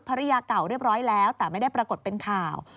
ภรรยาเก่าเรียบร้อยแล้วแต่ไม่ได้ปรากฏเป็นข่าว